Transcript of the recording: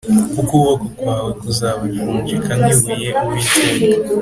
k ukuboko kwawe kuzabajunjika nk ibuye Uwiteka